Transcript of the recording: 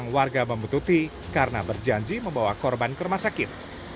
warga membutuhkan karena berjanji membawa korban ke rumah sakit